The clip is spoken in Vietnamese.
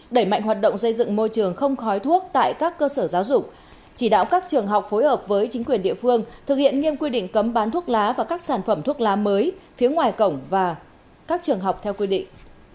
đẩy mạnh hoạt động xây dựng môi trường không khói thuốc tại các cơ sở giáo dục chỉ đạo các trường học phối hợp với chính quyền địa phương thực hiện nghiêm quy định cấm bán thuốc lá và các sản phẩm thuốc lá mới phía ngoài cổng và các trường học theo quy định